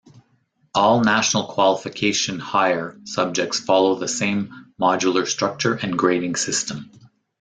All National Qualification Higher subjects follow the same modular structure and grading system.